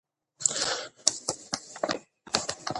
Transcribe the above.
موږ د خپلو اهدافو لپاره پلان جوړوو.